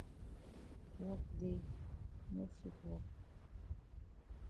Wok dey no fit wok.